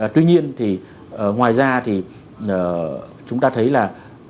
tuy nhiên thì ngoài ra thì chúng ta thấy là